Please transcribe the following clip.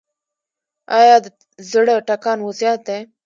ایا د زړه ټکان مو زیات دی؟